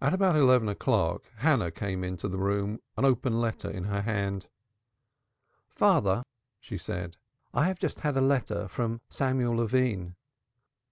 At about eleven o'clock Hannah came into the room, an open letter in her hand. "Father," she said, "I have just had a letter from Samuel Levine."